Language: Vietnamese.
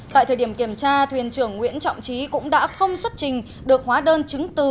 tại thời điểm kiểm tra thuyền trưởng nguyễn trọng trí cũng đã không xuất trình được hóa đơn chứng từ